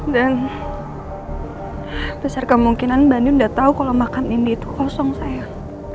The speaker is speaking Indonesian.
dan besar kemungkinan bandung udah tau kalau makam dindi itu kosong sayang